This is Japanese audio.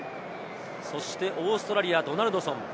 そしてオーストラリア、ドナルドソン。